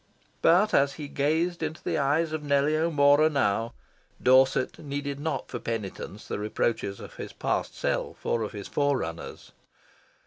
But, as he gazed into the eyes of Nellie O'Mora now, Dorset needed not for penitence the reproaches of his past self or of his forerunners.